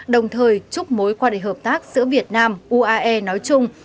đồng thời chúc mối quan hệ hợp tác giữa việt nam uae nói chung